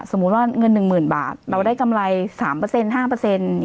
สมมุติว่าเงินหนึ่งหมื่นบาทเราได้กำไรสามเปอร์เซ็นต์ห้าเปอร์เซ็นต์อย่าง